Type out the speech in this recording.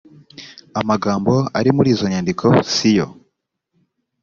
amagambo ari muri izo nyandiko siyo